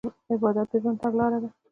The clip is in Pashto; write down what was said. عبادت د ژوند تګلاره ده.